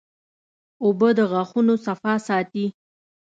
اوبه د غاښونو صفا ساتي